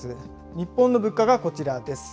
日本の物価がこちらです。